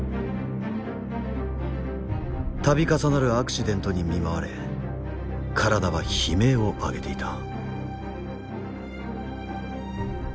度重なるアクシデントに見舞われ体は悲鳴を上げていた。